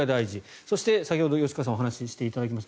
そして先ほど吉川さんが話してくださいました